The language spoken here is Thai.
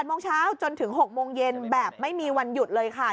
โมงเช้าจนถึง๖โมงเย็นแบบไม่มีวันหยุดเลยค่ะ